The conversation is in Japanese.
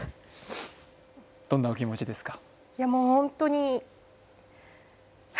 どんなお気持ちですか？